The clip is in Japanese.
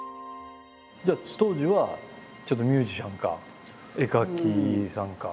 じゃあ当時はちょっとミュージシャンか絵描きさんか。